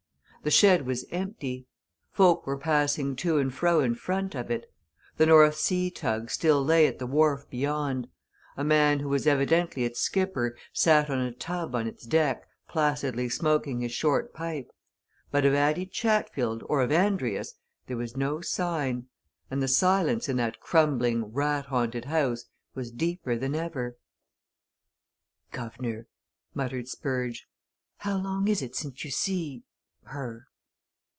The shed was empty. Folk were passing to and fro in front of it; the North Sea tug still lay at the wharf beyond; a man who was evidently its skipper sat on a tub on its deck placidly smoking his short pipe but of Addie Chatfield or of Andrius there was no sign. And the silence in that crumbling, rat haunted house was deeper than ever. "Guv'nor!" muttered Spurge, "How long is it since you see her?"